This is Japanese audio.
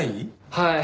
はい。